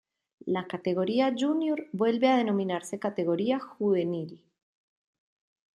La categoría júnior vuelve a denominarse categoría juvenil.